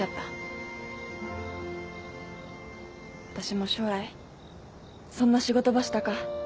私も将来そんな仕事ばしたか。